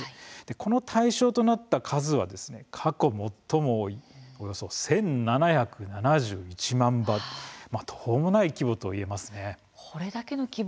この対象となった数は過去最も多いおよそ１７７１万羽途方もない規模といえますね。